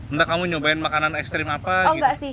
entah kamu nyobain makanan ekstrim apa gitu